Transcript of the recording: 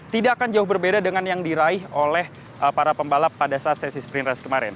tidak akan jauh berbeda dengan yang diraih oleh para pembalap pada saat sesi sprint race kemarin